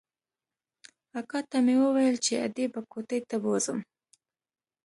اکا ته مې وويل چې ادې به کوټې ته بوځم.